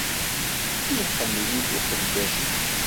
Iḥemmel-it uqeddac-ik.